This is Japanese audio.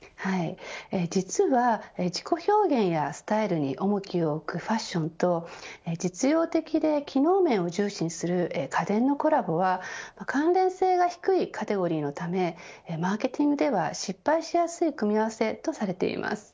実は、自己表現やスタイルに重きを置くファッションと実用的で機能面を重視する家電のコラボは関連性が低いカテゴリーのためマーケティングでは失敗しやすい組み合わせとされています。